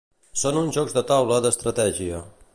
Són uns jocs de taula d'estratègia.